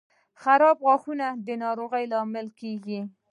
• خراب غاښونه د ناروغۍ لامل کیږي.